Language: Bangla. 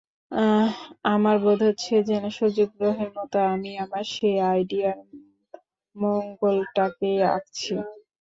আমার বোধ হচ্ছে যেন সজীব গ্রহের মতো আমি আমার সেই আইডিয়ার মণ্ডলটাকেই আঁকছি।